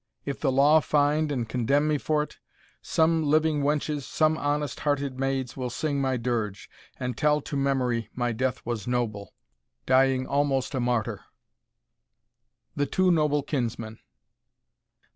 if the law Find and condemn me for't, some living wenches, Some honest hearted maids will sing my dirge, And tell to memory my death was noble, Dying almost a martyr. THE TWO NOBLE KINSMEN.